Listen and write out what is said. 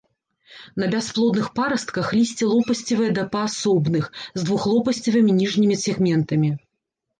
На бясплодных парастках лісце лопасцевае да паасобных, з двухлопасцевымі ніжнімі сегментамі.